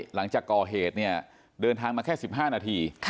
หลังจากก่อเหตุเนี่ยเดินทางมาแค่๑๕นาที